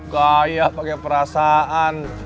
gaya pakai perasaan